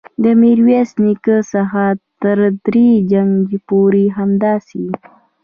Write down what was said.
د میرویس نیکه څخه تر دریم جنګ پورې همداسې وه.